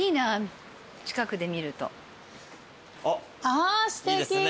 あすてき！